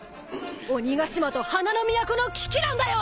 鬼ヶ島と花の都の危機なんだよ！